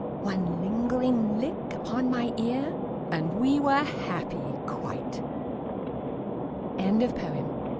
One lingering lick upon my ear And we were happy quite. ANONYMOUS.